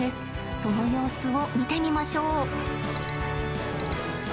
その様子を見てみましょう。